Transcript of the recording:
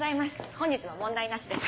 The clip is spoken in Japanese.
本日も問題なしです。